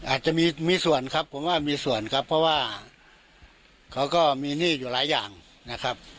อาจจะมีมีส่วนครับผมว่ามีส่วนครับเพราะว่าเขาก็มีหนี้อยู่หลายอย่างนะครับ